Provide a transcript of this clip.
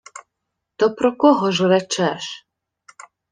— То про кого ж речеш?